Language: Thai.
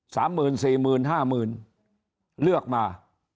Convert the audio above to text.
สามหมื่นสี่หมื่นห้าหมื่นเลือกมา